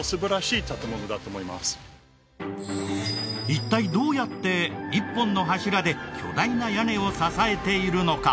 一体どうやって１本の柱で巨大な屋根を支えているのか？